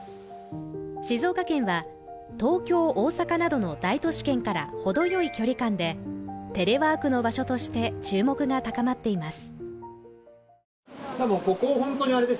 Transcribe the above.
静岡県は東京・大阪などの大都市圏から程良い距離感で、テレワークの場所として注目が高まっています。